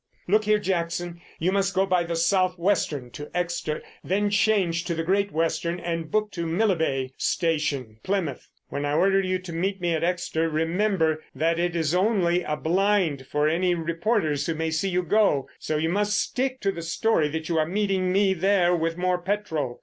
"Look here, Jackson, you must go by the South Western to Exeter, then change to the Great Western and book to Millbay station, Plymouth. When I order you to meet me at Exeter, remember that is only a 'blind' for any reporters who may see you go, so you must stick to the story that you are meeting me there with more petrol.